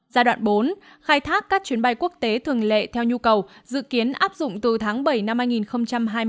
giai đoạn bốn khai thác các chuyến bay quốc tế thường lệ theo nhu cầu dự kiến áp dụng từ tháng bảy năm